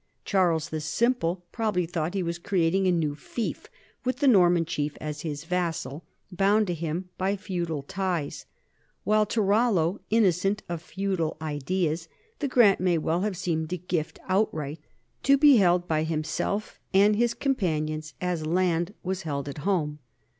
Charles the Simple probably thought he was creating a new fief with the Norman chief as his vassal, bound to him by feudal ties, while to Rollo, innocent of feudal ideas, the grant may well have seemed a gift outright to be held by himself and his companions as land was held at home.